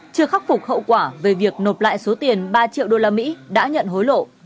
chưa khắc phục hậu quả về việc nộp lại số tiền ba triệu đô la mỹ đã nhận hối lộ